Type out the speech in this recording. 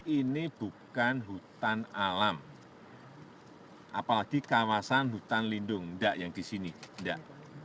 ini bukan hutan alam apalagi kawasan hutan lindung enggak yang di sini enggak